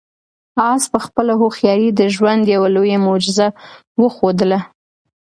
آس په خپله هوښیارۍ د ژوند یوه لویه معجزه وښودله.